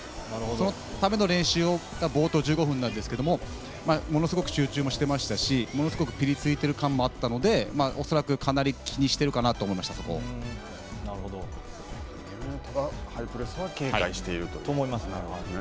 そのための練習が冒頭１５分なんですけれども、ものすごく集中もしてましたし、ものすごくぴりついてる感もあったので、恐らく、かなり気にしてるかなと思いました、そこは。と思いますね。